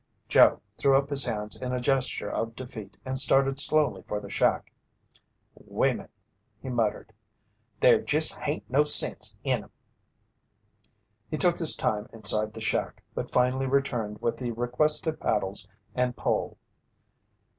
Joe threw up his hands in a gesture of defeat and started slowly for the shack. "Wimmin!" he muttered. "There jest hain't no sense in 'em!" He took his time inside the shack, but finally returned with the requested paddles and pole.